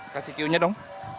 kasih cue nya dong